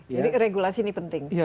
jadi regulasi ini penting